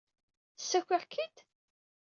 Ssakiɣ-k-id?